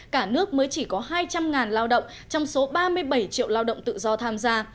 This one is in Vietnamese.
cả nước mới chỉ có hai trăm linh lao động trong số ba mươi bảy triệu lao động tự do tham gia